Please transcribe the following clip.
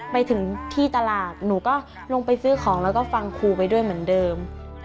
ไปถึงที่ตลาดหนูก็ลงไปซื้อของแล้วก็ฟังครูไปด้วยเหมือนเดิม